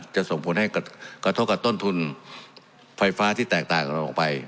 ส่งผลให้กระทบกับต้นทุนไฟฟ้าที่แตกต่างกับเราออกไป